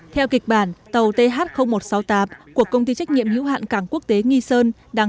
theo kịch bản tàu th một trăm sáu mươi tám của công ty trách nhiệm hữu hạn cảng quốc tế nghi sơn